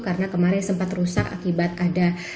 karena kemarin sempat rusak akibat ada